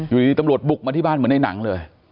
อยู่ดีตำรวจบุกมาที่บ้านเหมือนในหนังเลย